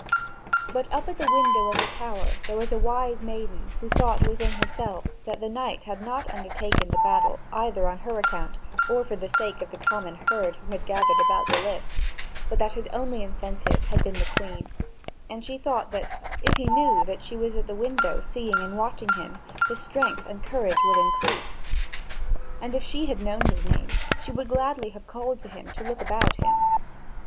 But up at the window of the tower there was a wise maiden who thought within herself that the knight had not undertaken the battle either on her account or for the sake of the common herd who had gathered about the list, but that his only incentive had been the Queen; and she thought that, if he knew that she was at the window seeing and watching him, his strength and courage would increase. And if she had known his name, she would gladly have called to him to look about him.